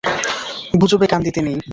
গুজবে কান দিতে নেই।